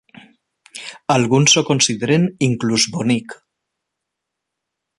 Alguns ho consideren inclús bonic.